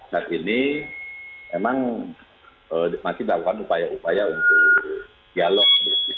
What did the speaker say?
saat ini memang masih dilakukan upaya upaya untuk dialog